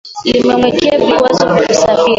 limemwekea vikwazo vya kusafiri